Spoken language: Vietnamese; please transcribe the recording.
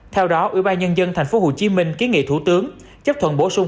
theo đó ủy ban nhân dân thành phố hồ chí minh ký nghị thủ tướng chấp thuận bổ sung